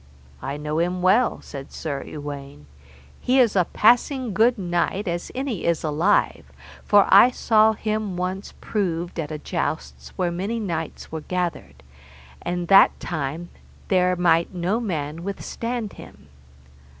I know him well, said Sir Uwaine, he is a passing good knight as any is alive, for I saw him once proved at a jousts where many knights were gathered, and that time there might no man withstand him.